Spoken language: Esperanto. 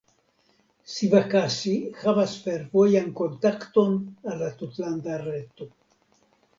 Sivakasi havas fervojan kontakton al la tutlanda reto.